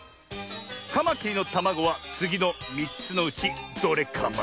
カマキリのたまごはつぎの３つのうちどれカマ？